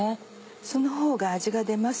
そのほうが味が出ます。